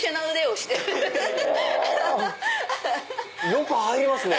よく入りますね。